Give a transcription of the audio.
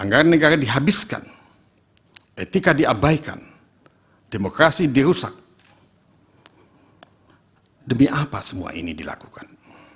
anggaran negara dihabiskan etika diabaikan demokrasi dirusak demi apa semua ini dilakukan